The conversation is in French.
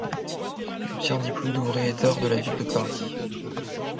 Il obtient un diplôme d'ouvrier d'art de la Ville de Paris.